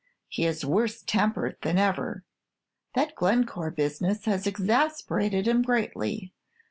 He is worse tempered than ever. That Glencore business has exasperated him greatly.